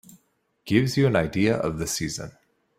Gives you an idea of the season.